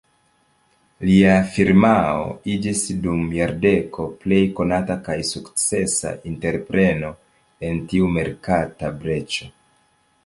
Lia firmao iĝis dum jardeko plej konata kaj sukcesa entrepreno en tiu merkata breĉo.